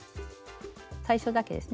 最初だけですね。